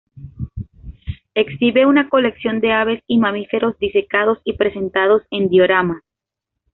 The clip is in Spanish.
Exhibe una colección de aves y mamíferos disecados y presentados en dioramas.